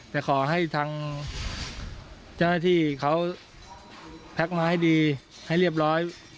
แต่ขอให้ทางเจ้าหน้าที่เขาแพ็คมาให้ดีให้เรียบร้อย